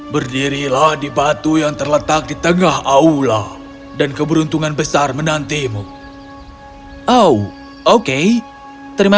berdirilah di batu yang terletak di tengah aula dan keberuntungan besar menantimu oh oke terima